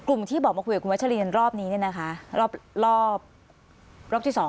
กลุ่มที่บอกมาคุยกับคุณวัชรีรอบนี้เนี้ยนะคะรอบรอบรอบที่สอง